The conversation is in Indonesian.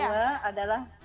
nah yang kedua adalah